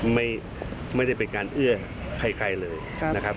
ไม่ได้เป็นการเอื้อใครเลยนะครับ